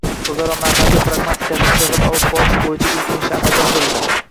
O‘zaro manfaatli pragmatik tashqi siyosat olib borish bo‘yicha ulkan ishlar amalga oshirildi.